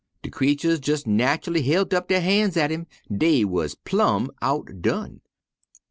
De creeturs jes' natchully hilt up der han's at him, dey wuz plumb outdone.